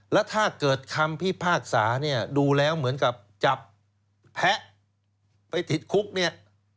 แล้วถ้าเกิดคำพิพากษาเนี่ยดูแล้วเหมือนกับจับแพ้ไปติดคุกเนี่ย